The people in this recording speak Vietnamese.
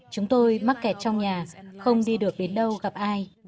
chúng tôi mắc kẹt trong nhà không đi được đến đâu gặp ai